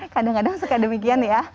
kadang kadang suka demikian ya